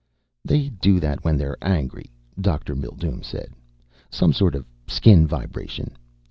"They do that when they're angry," Dr. Mildume said. "Some sort of skin vibration.